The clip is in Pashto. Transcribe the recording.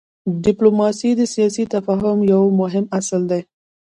ډيپلوماسي د سیاسي تفاهم یو مهم اصل دی.